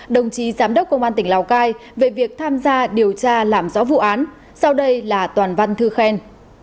đồng chí giám đốc công an tỉnh lào cai về việc tham gia điều tra làm rõ vụ án sau đây là toàn văn thư khen